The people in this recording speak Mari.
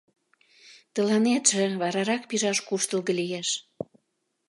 Тыланетше варарак пижаш куштылго лиеш.